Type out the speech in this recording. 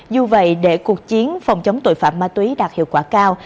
dù vậy để cuộc chiến phòng chống tội phạm ma túy đạt hiệu quả cao